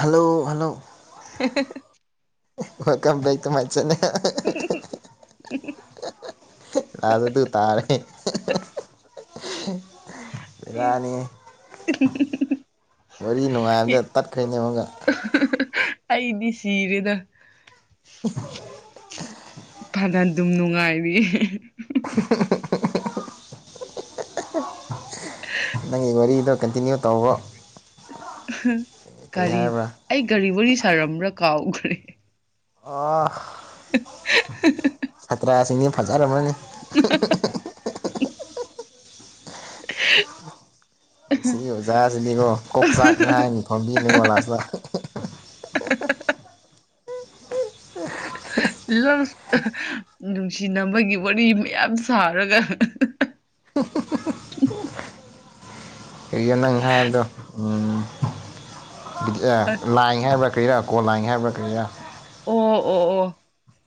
Hello hello [inaudible] ꯋꯦꯜꯀꯝꯕꯦꯛꯇꯨ ꯍꯥꯏ ꯆꯠꯅꯦ [inaudible] ꯂꯥꯖꯗꯨ ꯇꯥꯔꯦ [inaudible] ꯕꯦꯔꯥꯅꯤ [inaudible] ꯋꯥꯔꯤ ꯅꯨꯡꯉꯥꯏꯝꯗ ꯇꯠꯈ꯭ꯔꯩꯅꯦ ꯑꯃꯨꯛꯀ ꯑꯩꯗꯤ ꯁꯤꯔꯦꯗ [inaudible] ꯐꯅ ꯗꯨꯝ ꯅꯨꯡꯉꯥꯏꯔꯤ [inaudible] [inaudible] ꯅꯪꯒꯤ ꯋꯥꯔꯤꯗꯣ ꯀꯟꯇꯤꯅ꯭ꯌꯨ ꯇꯧꯋꫭ ꯑꯍ ꯒꯥꯔꯤ ꯑꯩ ꯒꯥꯔꯤ ꯋꯥꯔꯤ ꯁꯥꯔꯝꯕ꯭ꯔ ꯀꯥꯎꯈ꯭ꯔꯦ ꯑ꯫ [unintelligible] ꯁꯥꯇ꯭ꯔꯥꯁꯤꯡꯅ ꯐꯖꯔꯝꯃꯅꯤ꯫ [unintelligible] ꯁꯤ ꯑꯣꯖꯥꯁꯤꯅꯤꯀꯣ ꯀꯣꯛꯆꯥꯛꯅꯤ ꯍꯥꯏꯅꯤ ꯐꯝꯕꯤꯅꯤꯀꯣ ꯂꯥꯁꯇ꯫ [unintelligible] ꯅꯨꯡꯁꯤꯅꯕꯒꯤ ꯋꯥꯔꯤ ꯃꯌꯥꯝ ꯁꯥꯔꯒ꯫ ꯀꯩꯅꯣ ꯅꯪꯅꯥ ꯍꯥꯏꯕꯗꯣ꯫ ꯎꯝ꯫ ꯑꯁ ꯂꯥꯏ ꯍꯥꯏꯕ꯭ꯔꯥ ꯀꯩꯔꯥ꯫ ꯀꯣꯂꯥꯏ ꯍꯥꯏꯕ꯫ ꯀꯌꯥ꯫ ꯑꯣ ꯑꯣ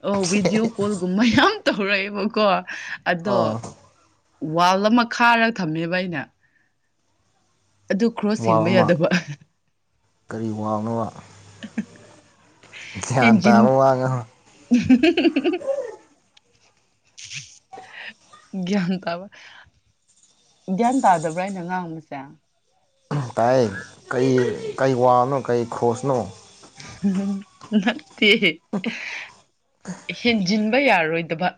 ꯑꯣ꯫ ꯑ ꯚꯗꯤꯌꯑꯣ ꯀꯣꯜꯒꯨꯝꯍꯩ꯫ ꯌꯥꯝ ꯇꯧꯔꯛꯑꯦꯕꯀꯣ ꯑꯗꯣ ꯑꯣ ꯋꯥꯜ ꯑꯃ ꯈꯥꯔꯒ ꯊꯝꯃꯦꯕ ꯑꯩꯅ꯫ ꯑꯗꯨ ꯀ꯭ꯔꯣꯁ ꯍꯦꯟꯕ ꯌꯥꯗꯕ꯫ ꯑꯩ ꯋꯥꯡꯅꯕ꯫ [unintelligible] ꯒ꯭ꯌꯥꯟ ꯍꯦꯟꯖꯤꯟ ꯇꯥꯕ ꯋꯥ [unintelligible] ꯒ꯭ꯌꯥꯟ ꯇꯥꯕ ꯒ꯭ꯌꯥꯟ ꯇꯥꯗꯕ꯭ꯔꯥ ꯑꯩꯅꯥ ꯉꯥꯡꯕꯁꯦ꯫ ꯇꯥꯏ ꯀꯩ ꯀꯩ ꯋꯥꯅꯣ ꯀꯩ ꯈꯣꯁꯅꯣ꯫ ꯎꯝ ꯅꯠꯇꯦ ꯍꯦꯟꯖꯤꯟꯕ ꯌꯥꯔꯣꯏꯗꯕ꯫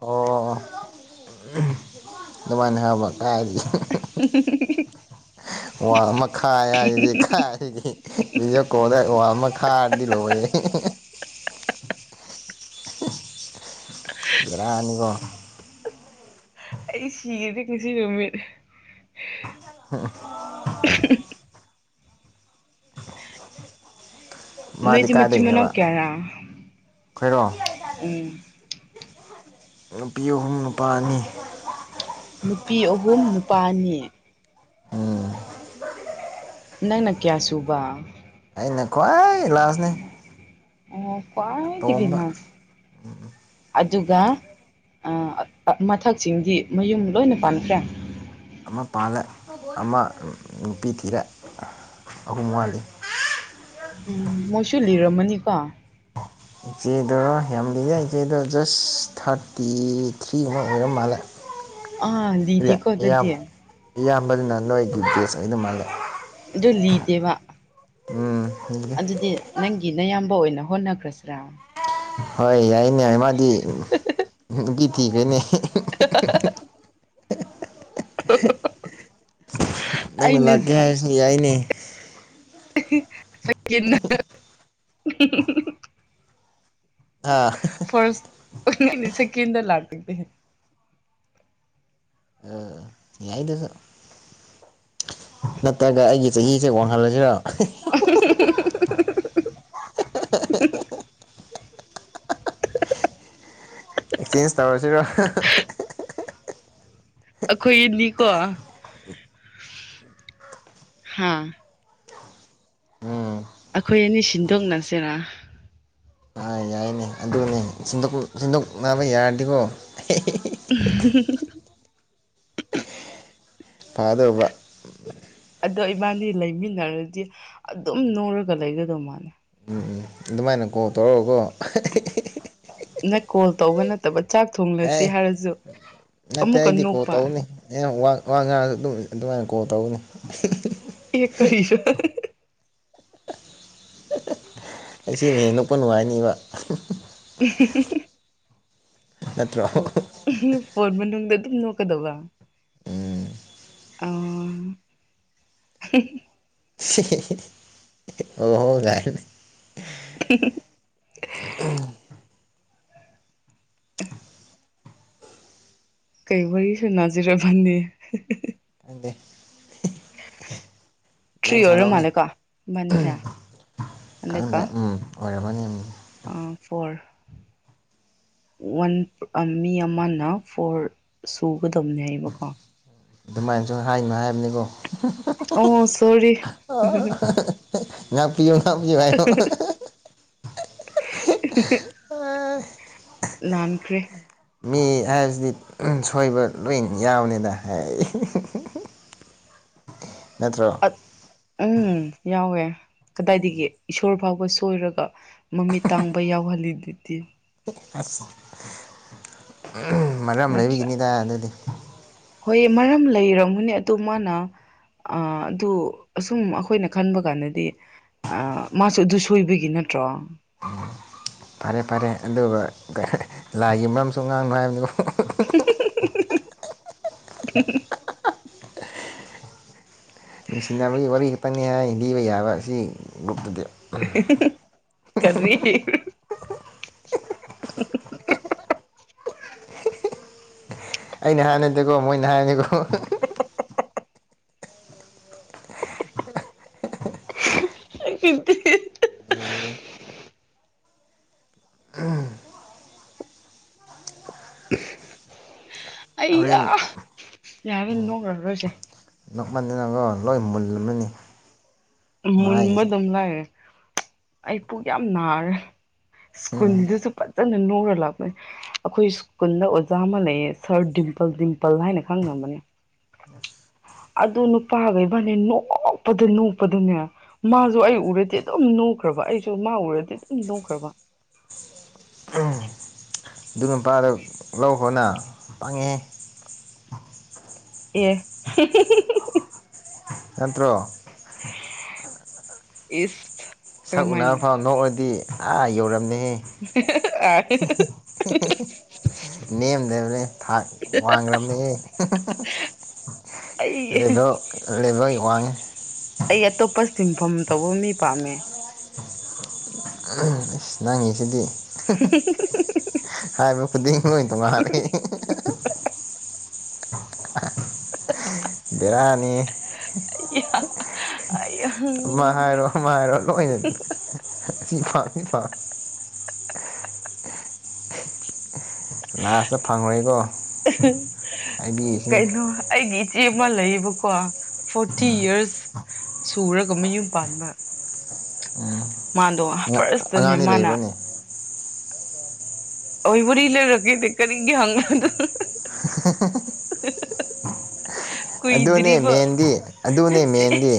ꯑꯣ ꯑꯗꯨꯃꯥꯏꯅ ꯍꯥꯏꯕ ꯀꯥꯏꯗꯩꯩ꯫ [unintelligible] ꯋꯥ ꯑꯃꯈꯥꯏ ꯍꯥꯏꯔꯗꯤ ꯈꯥꯏꯔꯤꯗꯤ ꯕꯤꯗꯤꯌꯣꯀꯣꯗ ꯋꯥ ꯑꯃ ꯈꯥꯔꯗꯤ ꯂꯣꯏꯔꯦ꯫ ꯕꯦꯔꯥꯅꯤꯀꯣ꯫ ꯑꯩ ꯁꯤꯈꯤꯗꯤ ꯉꯁꯤ ꯅꯨꯃꯤꯠ꯫ ꯃꯥꯗꯤ ꯅꯣꯏꯗꯤ ꯃꯆꯤ ꯃꯅꯥꯎ ꯀꯥꯏꯗꯩꯅꯦꯕ ꯀꯦꯌꯥꯔꯥ ꯑꯩꯈꯣꯏꯔꯣ ꯎꯝ꯫ ꯅꯨꯄꯤ ꯑꯍꯨꯝ ꯅꯨꯄꯥ ꯑꯅꯤ꯫ ꯅꯨꯄꯤ ꯑꯍꯨꯝ ꯅꯨꯄꯥ ꯑꯅꯤ꯫ ꯎꯝ ꯅꯪꯅ ꯀꯌꯥ ꯁꯨꯕ꯫ ꯑꯩꯅꯥ ꯈꯋ꯭ꯥꯏ꯫ ꯂꯥꯁꯅꯦ ꯑꯣ ꯈ꯭ꯋꯥꯏꯗꯒꯤ ꯑꯇꯣꯝꯕ꯫ ꯂꯥꯁ ꯑꯗꯨꯒ ꯃꯊꯛꯁꯤꯡꯗꯤ ꯃꯌꯨꯝ ꯂꯣꯏꯅ ꯄꯥꯟꯈ꯭ꯔꯦ꯫ ꯑꯃ ꯄꯥꯜꯂꯦ ꯑꯃ ꯅꯨꯄꯤ ꯊꯤꯔꯦ ꯑꯍꯨꯝ ꯋꯥꯠꯂꯤ꯫ ꯍ꯫ ꯎꯝ ꯃꯣꯏꯁꯨ [inaudible] ꯂꯤꯔꯝꯃꯅꯤꯀꯣ꯫ ꯏꯆꯦꯗꯣ ꯌꯥꯝꯂꯤꯌꯦ ꯏꯆꯦꯗꯣ ꯖꯁ ꯊꯥꯔꯇꯤ ꯊ꯭ꯔꯤ ꯑꯃ ꯑꯣꯏꯔ ꯃꯥꯜꯂꯦ ꯑꯥ ꯂꯤꯗꯤꯀꯣ ꯏꯌꯥꯝ ꯗꯨꯗꯤ ꯏꯌꯥꯝꯕꯗꯨꯅ ꯅꯣꯏꯒꯤ ꯕꯦꯁ ꯑꯣꯢꯒꯗꯨ ꯃꯥꯜꯂꯦ ꯑꯗꯨ ꯂꯤꯗꯦꯕ ꯑꯗꯨꯗꯤ [unintelligible] ꯅꯪꯒꯤ ꯅꯌꯥꯝꯕ ꯑꯣꯏꯅ ꯍꯣꯠꯅꯈ꯭ꯔꯁꯤꯔꯥ ꯍꯣꯏ ꯌꯥꯏꯌꯦ ꯌꯥꯢꯌꯦ ꯃꯥꯗꯤ ꯃꯨꯗꯨꯒꯤ ꯀꯤꯗꯦꯅꯦ [inaudible] [unintelligible] ꯅꯪꯅ ꯑꯩꯅ ꯂꯥꯛꯀꯦ ꯍꯥꯏꯔꯁꯨ ꯌꯥꯏꯅꯦ [unintelligible] ꯑꯥ ꯑꯩꯅ ꯁꯦꯀꯦꯟꯗ ꯂꯥꯛ ꯇꯗꯤ ꯌꯥꯏꯗꯨꯁꯨ ꯅꯠꯇ꯭ꯔꯒ ꯑꯩꯒꯤ ꯆꯍꯤꯁꯦ ꯋꯥꯡꯍꯜꯂꯁꯤꯔꯣ [unintelligible] [unintelligible] ꯑꯦꯁꯆꯦꯟꯁ ꯇꯧꯔꯁꯤꯔꯣ ꯑꯩꯈꯣꯏ ꯑꯅꯤꯀꯣ ꯍꯥ ꯎꯝ ꯑꯩꯈꯣꯏ ꯑꯅꯤ ꯁꯤꯟꯗꯣꯛꯅꯔꯁꯤꯔꯥ ꯑ ꯌꯥꯏꯅꯦ ꯑꯗꯨꯅꯦ ꯁꯤꯟꯗꯣꯛ ꯁꯤꯟꯗꯣꯛꯅꯕ ꯌꯥꯔꯗꯤꯀꯣ [unintelligible] ꯐꯥꯗꯧꯕ ꯑꯗꯣ ꯏꯕꯥꯅꯤ ꯂꯩꯃꯤꯟꯅꯔꯗꯤ ꯑꯗꯨꯝ ꯅꯣꯛꯔꯒ ꯂꯩꯒꯗꯧ ꯃꯥꯅꯦ ꯎꯝ ꯎꯝ ꯑꯗꯨꯃꯥꯏꯅ ꯀꯣꯜ ꯇꯧꯔꯒꯀꯣ ꯅꯠ ꯀꯣꯜ ꯇꯧꯕ ꯅꯠꯇꯕꯠ ꯍꯩ ꯅꯠꯇꯦ ꯑꯃꯨꯛꯀ ꯑꯩꯗꯤ ꯀꯣꯜ ꯅꯣꯛꯄ ꯇꯧꯅꯤ ꯅꯪ ꯋꯥ ꯋꯥ ꯉꯥꯡ ꯗꯨ ꯑꯗꯨꯃꯥꯏ ꯀꯣꯜ ꯇꯧꯒꯅꯤ ꯑꯦ ꯀꯔꯤꯁꯨ ꯑꯁꯤꯅꯦ ꯅꯣꯛꯄ ꯅꯨꯡꯉꯥꯏꯅꯤꯕ [unintelligible] ꯅꯠꯇ꯭ꯔꯣ ꯑꯣ ꯐꯣꯟ ꯃꯅꯨꯡꯗ ꯑꯗꯨꯝ ꯅꯣꯛꯀꯗꯧꯕ ꯎꯝ ꯑꯥ [unintelligible] [unintelligible] ꯀꯩ ꯋꯥꯔꯤ ꯁꯅꯥꯖꯤꯔ ꯈꯪꯗꯦ ꯈꯪꯗꯦ ꯊ꯭ꯔꯤ ꯅꯪ ꯑꯣꯏꯔ ꯁꯥꯔꯛꯑꯣꯅꯦ ꯃꯥꯂꯦ ꯀꯣ ꯏꯕꯅꯤꯁꯦ ꯍꯟꯗꯛ ꯈꯪꯗꯦ ꯎꯝ ꯑꯣꯏꯔꯝꯃꯅꯤ ꯎꯝ ꯑꯥ ꯐꯣꯔ ꯋꯥꯟ ꯃꯤ ꯑꯃꯅ ꯐꯣꯔ ꯁꯨꯒꯗꯕꯅꯦ ꯍꯥꯏꯕꯀꯣ ꯑꯗꯨꯃꯥꯏꯅ ꯍꯥꯏꯅꯣ ꯍꯥꯏꯕꯅꯤꯀꯣ ꯑꯣ ꯁꯣꯔꯤ ꯅꯪ ꯄꯕꯤꯌꯨ ꯍꯕꯤꯕꯥꯏꯌꯣ ꯂꯥꯟꯈ꯭ꯔꯦ ꯃꯤ ꯍꯥꯏꯕꯁꯤꯗꯤ ꯁꯣꯏꯕ ꯂꯣꯏ ꯌꯥꯎꯅꯤꯅ ꯍꯥꯏ ꯅꯠꯇ꯭ꯔꯥ ꯎꯝ ꯌꯥꯎꯋꯦ ꯀꯗꯥꯏꯗꯒꯤ ꯏꯁꯣꯔ ꯐꯥꯎꯕ ꯁꯣꯏꯔꯒ ꯃꯃꯤꯠ ꯇꯥꯡꯕ ꯌꯥꯎꯍꯜꯂꯤꯗꯨꯗꯤ ꯑꯁ ꯎꯝ ꯃꯔ ꯑꯃ ꯅꯠꯇ꯭ꯔꯥ ꯂꯩꯕꯤꯒꯤꯅꯤꯗꯥꯏ ꯑꯗꯨꯗꯤ ꯍꯣꯏ ꯃꯔꯝ ꯂꯩꯔꯝꯒꯅꯤ ꯑꯗꯨ ꯃꯥꯅ ꯑꯗꯨ ꯑꯁꯨꯝ ꯑꯩꯈꯣꯏꯅ ꯈꯟꯕ ꯀꯥꯟꯗꯗꯤ ꯃꯥꯁꯨ ꯑꯗꯨ ꯁꯣꯏꯕꯒꯤ ꯅꯠꯇ꯭ꯔꯣ ꯐꯔꯦ ꯐꯔꯦ ꯑꯗꯨꯒ ꯂꯥꯏꯒꯤ ꯃꯔꯝꯁꯨ ꯉꯥꯡꯅꯨ ꯍꯥꯏꯕꯗꯨ [unintelligible] [unintelligible] ꯅꯪ ꯁꯤꯅꯃꯒꯤ ꯋꯥꯔꯤꯈꯛꯇꯅꯤ ꯍꯥꯏ ꯄꯤꯕ ꯌꯥꯕ ꯁꯤ [unintelligible] ꯀꯔꯤ [unintelligible] ꯑꯩꯅ ꯍꯥꯟꯅꯗ‌ꯦꯀꯣ ꯃꯣꯏꯅ ꯍꯥꯏꯅꯤꯀꯣ [unintelligible] [unintelligible] ꯂꯣꯏꯔꯦꯍꯦ ꯑꯩ ꯍꯣꯔꯦꯟ ꯌꯥ ꯍꯦꯟ ꯅꯣꯡꯈꯔꯣꯏꯁꯦ ꯅ‌ꯣꯛꯃꯟꯗꯅꯥꯅꯪ ꯂꯣꯏ ꯃꯨꯜꯂꯝ ꯑꯃꯅꯤꯅꯤ ꯃꯨꯟꯕꯗꯨꯝ ꯂꯥꯏꯔꯤ ꯑꯩ ꯄꯨꯛ ꯌꯥꯝ ꯅꯥꯔꯦ ꯎꯝ ꯁ꯭ꯀꯨꯜꯗꯨꯁꯨ ꯐꯖꯅ ꯅꯔ ꯂꯥꯛꯄꯅꯤ ꯑꯩꯈꯣꯏ ꯁ꯭ꯀꯨꯜꯗ ꯑꯣꯖꯥ ꯑꯃ ꯂꯩꯌꯦ ꯁꯥꯔ ꯗꯤꯝꯄꯜ ꯗꯤꯝꯄꯜ ꯍꯥꯏꯅ ꯈꯪꯅꯕꯅꯦ ꯑꯗꯨ ꯅꯨꯄꯥꯒꯥꯕꯥꯅꯦ ꯅꯣꯛꯄꯗ ꯅꯣꯛꯄꯗꯅꯦ ꯃꯥꯁꯨ ꯑꯩ ꯎꯔꯗꯤ ꯑꯗꯨꯝ ꯅꯣꯛꯈ꯭ꯔꯕ ꯑꯩꯁꯨ ꯃꯥ ꯎꯔꯗꯤ ꯑꯗꯨꯝ ꯅꯣꯛꯈ꯭ꯔꯕ ꯑꯗꯨ ꯃꯄꯥꯗꯣ ꯂꯧꯈꯣꯅ ꯄꯪꯉꯦꯍꯦ ꯑꯦ [unintelligible] ꯅꯠꯇ꯭ꯔꯣ ꯏꯁ ꯁꯛ ꯎꯅꯕ ꯀꯔꯝꯍꯥꯏꯅ ꯐꯥꯎ ꯅꯣꯛꯑꯗꯤ ꯑꯥ ꯌꯧꯔꯝꯅꯦ ꯑꯦ ꯑꯩ ꯅꯦꯝꯗꯕꯅꯦ ꯊꯥꯛ ꯋꯥꯡꯈ꯭ꯔꯕꯅꯦ ꯂ‌ꯦꯕ‌ꯦꯜ ꯂꯕ‌ꯦꯜ ꯋꯥꯡꯉꯦ ꯑꯩ ꯑꯇꯣꯞꯄ ꯁꯤꯟꯐꯝ ꯇꯧꯕ ꯃꯤ ꯄꯥꯝꯃꯦ ꯑꯁ ꯅꯪꯉꯤꯁꯤꯗꯤ ꯍꯥꯏꯕ ꯈꯨꯗꯤ [unintelligible] ꯕꯦꯔꯥꯅꯤ [unintelligible] ꯃꯥ ꯍꯥꯏꯔꯣ ꯃꯥ ꯍꯥꯏꯔꯣ ꯂꯣꯏꯅ [unintelligible] ꯂꯥꯁꯇ ꯐꯪꯑꯣꯏꯀꯣ ꯍꯥꯏꯕꯤꯔꯤꯁꯤꯅꯤ ꯑꯩ ꯑꯃ ꯂꯩꯌꯦꯕꯀꯣ ꯐꯣꯔꯇꯤ ꯌꯤꯔꯁ ꯁꯨꯔꯒ ꯃꯌꯨꯝ ꯄꯥꯟꯕ ꯎꯝ ꯃꯥꯗꯣ ꯐꯥꯔꯁꯇꯥꯅꯦ ꯑꯉꯥꯡꯗꯤ ꯃꯥꯅ ꯂꯩꯕ꯭ꯔꯅꯦ ꯑꯣꯏ ꯋꯥꯔꯤ ꯂꯤꯔꯛꯒꯦꯅꯦ ꯀꯔꯤꯒꯦ ꯍꯪꯕ꯭ꯔꯥ ꯑꯗꯨ [unintelligible] [unintelligible] ꯑꯗꯨꯅꯦ ꯀꯨꯏꯗ꯭ꯔꯤꯕ ꯃꯦꯟꯗꯤ ꯑꯗꯨꯅꯦ ꯅꯠꯇꯦ ꯃꯦꯟꯗꯤ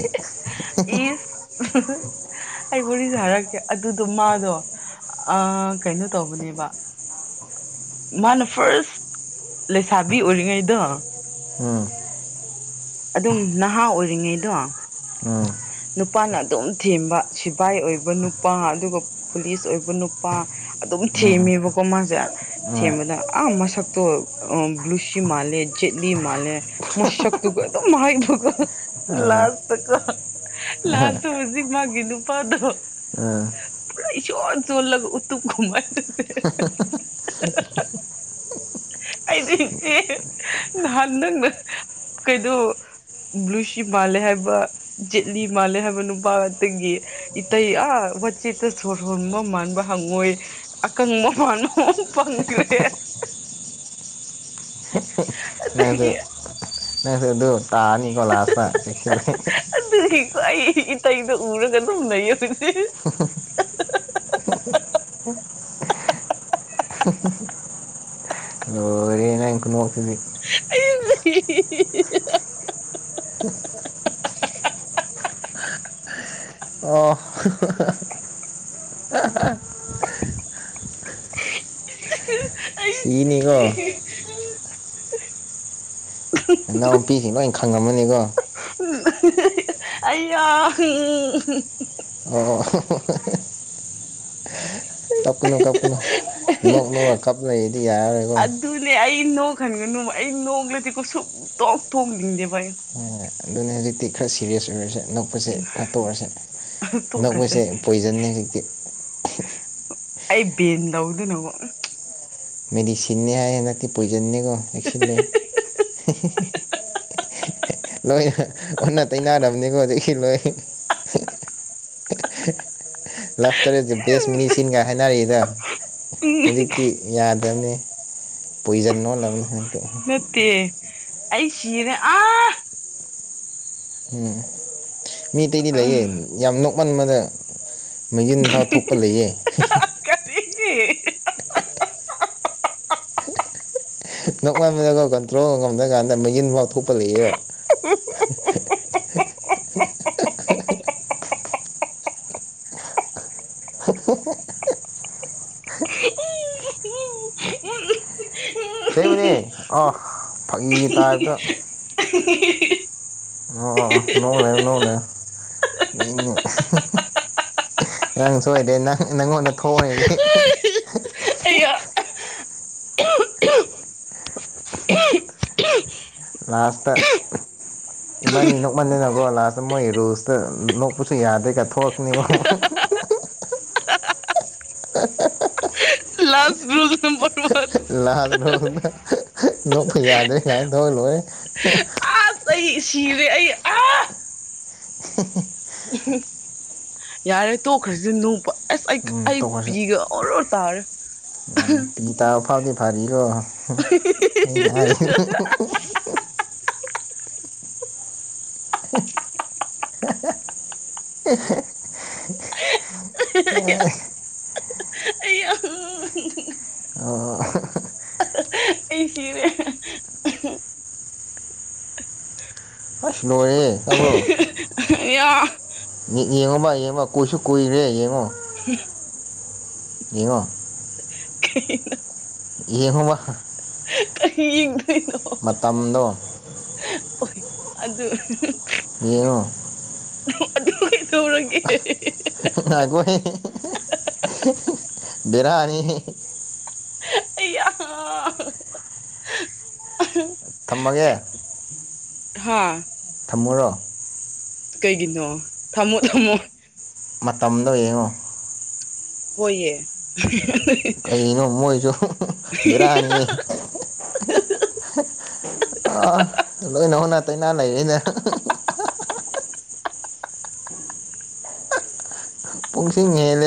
ꯏꯁ ꯑꯩ ꯋꯥꯔꯤꯁꯦ ꯍꯥꯏꯔꯛꯀꯦ ꯑꯗꯨꯗꯣ ꯃꯥꯗꯣ ꯑꯥ ꯀꯩꯅꯣ ꯇꯧꯕꯅꯦꯕ ꯃꯥꯅ ꯐꯥꯔꯁ ꯂꯩꯁꯥꯕꯤ ꯑꯣꯏꯔꯤꯉꯩꯗꯣ ꯎꯝ ꯑꯗꯨꯝ ꯅꯍꯥ ꯑꯣꯏꯔꯤꯉꯩꯗꯣ ꯎꯝ ꯅꯨꯄꯥꯅ ꯑꯗꯨꯝ ꯊꯦꯝꯕ ꯁꯤꯕꯥꯥꯏ ꯑꯣꯏꯕ ꯅꯨꯄꯥ ꯑꯗꯨꯒ ꯄꯨꯂꯤꯁ ꯑꯣꯏꯕ ꯅꯨꯄꯥ ꯑꯗꯨꯝ ꯎꯝ ꯊꯦꯝꯃꯦꯕꯀꯣ ꯃꯥꯁꯦ ꯎꯝ ꯊꯦꯝꯕꯗ ꯑꯥ ꯃꯁꯛꯇꯣ ꯕ꯭ꯂꯨꯁꯤ ꯃꯥꯜꯂꯦ ꯖꯦꯠꯂꯤ ꯃꯥꯜꯂꯦ ꯃꯁꯛꯇꯨꯒ ꯑꯗꯨꯝ ꯍꯥꯢꯕ ꯑꯥ ꯂꯥꯁꯇꯀꯣ ꯂꯥꯁꯇ ꯍꯧꯖꯤꯛ ꯃꯥꯒꯤ ꯅꯨꯄꯥꯗꯣ ꯎꯝ ꯄꯨꯔꯥ ꯏꯁꯣꯟ ꯆꯣꯜꯂꯒ ꯎꯇꯨꯞ ꯀꯨꯝꯃꯥꯏ ꯑꯩꯗꯤ ꯁꯤꯔꯦ ꯅꯍꯥꯟ ꯅꯪꯅ ꯀꯩꯅꯥ ꯕ꯭ꯂꯨꯁꯤ ꯃꯥꯜꯂꯦ ꯍꯥꯏꯕ ꯖꯦꯠꯂꯤ ꯃꯥꯜꯂꯦ ꯍꯥꯏꯕ ꯅꯨꯄꯥꯇꯒꯤ ꯏꯇꯩ ꯑꯥ ꯋꯥꯆꯦꯠꯇ ꯁꯣꯔ ꯍꯣꯟꯕ ꯃꯥꯟꯕ ꯍꯪꯉꯣꯏ ꯑꯀꯪꯕ ꯃꯥꯟꯕ ꯑꯃ ꯐꯪꯈ꯭ꯔꯦ ꯅꯪꯁꯨ ꯑꯗꯒꯤ ꯅꯪꯁꯨ ꯑꯗꯨ ꯇꯥꯅꯤꯀꯣ ꯂꯥꯥꯁꯇ ꯆꯦꯛꯁꯤꯜꯂꯨ ꯇꯩꯗꯣ ꯎꯔꯒ ꯑꯗꯨꯝ ꯂꯩ [unintelligible] ꯂꯣꯏꯔꯦ ꯅꯪ ꯈꯨꯅꯣꯛ ꯊꯨꯗꯤ [unintelligible] [unintelligible] ꯑꯣ ꯑꯩ ꯁꯤꯅꯤꯀꯣ ꯑꯩ ꯏꯅꯥꯎꯄꯤꯁꯤꯡ ꯂꯣꯏ ꯈꯪꯉꯝꯃꯅꯤꯀꯣ ꯑꯩ ꯌꯥꯝ [unintelligible] ꯑꯣ ꯀꯞꯀꯥꯅꯨ ꯀꯞꯀꯥꯅꯨ ꯅꯣꯛ ꯅꯣꯛꯉꯒ ꯀꯞ ꯂꯩ ꯑꯗꯨꯅꯦ ꯑꯩ ꯑꯩ ꯅꯣꯛ ꯍꯟꯒꯅꯨ ꯑꯩ ꯅꯣꯛꯂꯗꯤ ꯁꯨꯡꯇꯣꯛ ꯊꯣꯛ ꯅꯤꯡꯗꯦꯕ ꯑꯗꯨꯅꯦ ꯍꯧꯖꯤꯛꯇꯤ ꯈꯔ ꯁꯤꯔꯤꯌꯁ ꯑꯣꯏꯔꯁꯦ ꯅꯛꯄꯁꯦ ꯈꯥꯇꯣꯛꯑꯁꯦ ꯎꯝ ꯇꯣꯛꯈ꯭ꯔꯁꯦ ꯅꯛꯄꯁꯦ ꯄꯣꯏꯖꯟꯅꯦ ꯍꯤꯀꯦꯠ ꯑꯩ ꯕꯦꯟ ꯇꯧꯗꯅꯀꯣ ꯃꯦꯗꯤ ꯁꯤꯅꯦ ꯍꯥꯏꯅ ꯍꯥꯅꯥꯛꯇꯤ ꯄꯣꯏ ꯖꯟꯅꯤꯀꯣ ꯄꯩꯁꯦꯂꯦ ꯂꯣꯏꯅ ꯑꯣꯟꯅ ꯇꯩꯅꯥꯔꯕꯅꯤꯀꯣ ꯑꯗꯒꯤ ꯂꯣꯏ ꯂꯞꯇꯔꯦꯁ ꯕꯦꯁ ꯃꯤꯅꯤ ꯁꯤꯟꯒ ꯍꯥꯏꯅꯔꯤꯗꯣ ꯍꯧꯖꯤꯛꯇꯤ ꯌꯥꯗꯕꯅꯤ ꯄꯣꯏꯖꯟ ꯑꯣꯅꯕꯅꯤ ꯅꯇꯦ ꯑꯩ ꯁꯤꯔꯦ ꯑꯥ ꯎꯝ ꯃꯤꯇꯩꯗꯤ ꯂꯩꯌꯦ ꯌꯥꯝꯅꯣꯛ ꯃꯟꯕꯗ ꯃꯒꯤꯟ ꯊꯥ ꯊꯣꯛꯄ ꯂꯩꯌꯦ [unintelligible] ꯅꯣꯛꯉꯟꯥꯟꯕꯗꯀꯣ ꯀꯟꯇ꯭ꯔꯣꯜ ꯉꯝꯗ꯭ꯔ ꯀꯥꯟꯗ ꯅꯣꯏꯖꯤꯟ ꯋꯥꯑꯣ ꯊꯣꯀꯄꯥ ꯂꯩꯌꯦꯕꯥ ꯑꯥ ꯐꯥꯒꯤ ꯇꯥꯏꯞꯇꯥ ꯑꯣ ꯅꯣꯛ ꯂꯩꯔꯣ ꯅꯣꯀ ꯂꯩꯔꯣ ꯃꯤꯅꯨ ꯑꯉꯥꯡ ꯁꯣꯏꯗꯔꯦ ꯅꯡ ꯅꯥꯉꯣꯟꯗ ꯊꯣꯛꯑꯣꯏꯗꯤ ꯑꯩꯌꯥ ꯂꯥꯁꯇꯥ ꯏꯕꯥꯅꯤ ꯅꯣꯛꯃꯟꯗꯅꯕꯣ ꯂꯥꯁꯇꯥ ꯃꯣꯏ ꯔꯨꯁꯇ ꯅꯣꯛꯄꯁꯨ ꯌꯥꯗꯦꯒꯥ ꯊꯣꯛꯂꯥꯀꯛꯅꯤꯀꯦ [inaudible] ꯂꯥꯁ rule number one last road ꯅꯣꯛꯄ ꯌꯥꯗ꯭ꯔꯦ ꯀꯃꯥꯏꯅ ꯇꯧꯔ ꯂꯣꯏꯔꯦ ꯑꯁ ꯑꯩ ꯁꯤꯔꯦ ꯑꯩ ꯑꯥ [inaudible] ꯌꯥꯔꯦ ꯇꯣꯛꯈ꯭ꯔꯁꯤ ꯅꯨꯛꯄꯥ ꯑꯦꯁ ꯑꯩ ꯑꯩ ꯇꯣꯛꯈ꯭ꯔꯁꯤ ꯄꯤꯒ ꯑꯣꯔ‌ꯣ [unintelligible] ꯎꯝ ꯄꯤ ꯇꯥ ꯐꯥꯎꯗ ꯐꯔꯤꯛ [unintelligible] ꯑꯩꯌꯥ [inaudible] [unintelligible] ꯑꯦ [unintelligible] ꯑꯣ ꯑꯣ ꯑꯩ ꯁꯤꯔꯦ ꯑꯁꯂꯣꯑꯦ ꯇꯥꯕ꯭ꯔꯣ [unintelligible] ꯌꯦ ꯌꯦꯡꯉꯨꯕ ꯌꯦꯡꯉꯣ ꯀꯨꯏꯁꯨ ꯀꯨꯏꯔꯦ ꯌꯦꯡꯉꯣ [inaudible] ꯌꯦꯉꯣ [unintelligible] ꯌꯦꯡꯉꯣꯕꯥ ꯀꯩꯍꯤꯟ [unintelligible] ꯃꯇꯝꯗꯣ ꯫ ꯑꯗꯨ ꯫ ꯌꯦꯉꯨ꯫ ꯇꯧꯔꯒꯦ꯫ ꯑꯒꯣꯏ ꯕꯤꯔꯥꯅꯤ꯫ ꯑꯌꯥ ꯊꯝꯃꯒꯦ꯫ ꯍꯥ ꯊꯝꯃꯣ ꯔꯣ ꯀꯩꯒꯤꯅꯣ ꯊꯝꯃꯣ ꯊꯝꯃꯣ꯫ ꯃꯇꯝꯗꯣ ꯌꯦꯡꯉꯣ꯫ ꯑꯩꯈꯣꯏꯌꯦ꯫ ꯀꯩꯅꯣ ꯃꯣꯏꯁꯨ ꯕꯦꯔꯥꯌꯤ꯫ ꯑ ꯂꯣꯏꯅ ꯍꯟꯅ ꯇꯣꯏꯅꯥ ꯂꯩꯔꯤꯅꯦ꯫ ꯄꯨꯡꯁꯤ ꯍꯦꯜ꯫